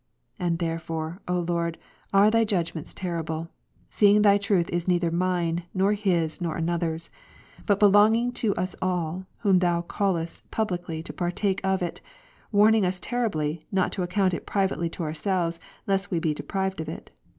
And therefore, O I Lord, are Thy judgments terrible; seeing Thy truth is neither | mine, nor his, nor another's ; but belonging to us all, whom Thou callest publicly to partake of it, warning us terribly, not to account it private to ourselves, lest we be deprived of it.